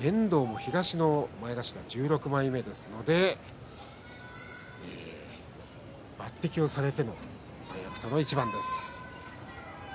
遠藤も東の前頭１６枚目ですので抜てきをされての三役との一番です。